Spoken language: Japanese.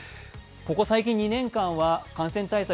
ここ最近、２年間は感染対策